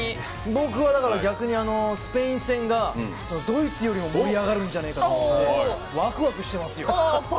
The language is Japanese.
僕は逆にスペイン戦がドイツよりも盛り上がるんじゃねえかな、とわくわくしてますよ。